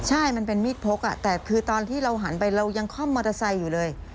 ใช่มันเป็นมีดพกแต่คือตอนที่เราหันไปเรายังค่อมมอเตอร์ไซค์อยู่เลย